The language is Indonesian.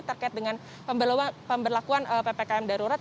terkait dengan pemberlakuan ppkm darurat